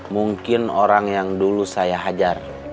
mungkin orang yang dulu saya hajar